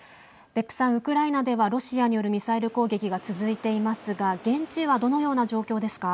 別府さん、ウクライナではロシアによるミサイル攻撃が続いていますが現地は、どのような状況ですか。